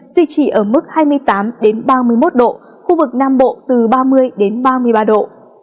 duy trì ở mức hai mươi tám ba mươi một độ khu vực nam bộ từ ba mươi ba mươi ba độ